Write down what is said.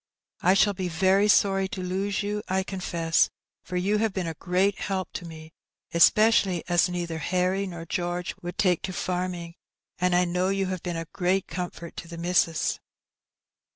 I shall be very sorry to lose you, I confess, for you have been a great help to me, especially as neither Harry nor George would take to farming, and I know you have been a great comfort to the missus."